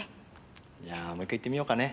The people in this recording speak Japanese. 「じゃあもう１回いってみようかね」